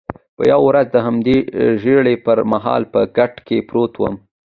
یوه ورځ د همدې ژېړي پر مهال په کټ کې پروت وم.